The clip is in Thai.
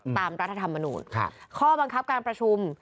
รัฐธรรมนูญข้อบังคับการประชุม